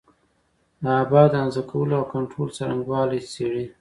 د ابعادو د اندازه کولو او کنټرول څرنګوالي څېړي.